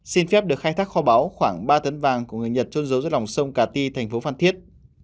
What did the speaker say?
xin phép được khai thác kho báu khoảng ba tấn vàng của người nhật trôn dấu dưới dòng sông cà ti tỉnh bình thuận